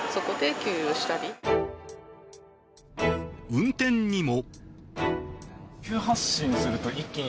運転にも。